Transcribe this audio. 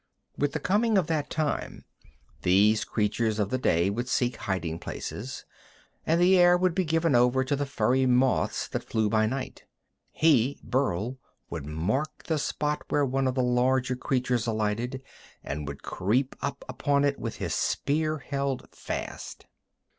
With the coming of that time these creatures of the day would seek hiding places, and the air would be given over to the furry moths that flew by night. He, Burl, would mark the spot where one of the larger creatures alighted, and would creep up upon it, with his spear held fast.